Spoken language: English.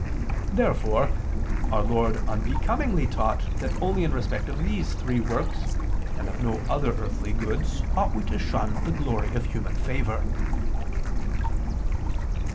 Therefore Our Lord unbecomingly taught that only in respect of these three works, and of no other earthly goods ought we to shun the glory of human favor.